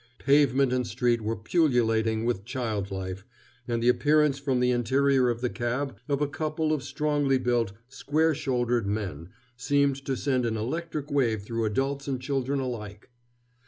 Pavement and street were pullulating with child life, and the appearance from the interior of the cab of a couple of strongly built, square shouldered men seemed to send an electric wave through adults and children alike.